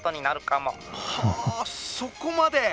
「はあそこまで！？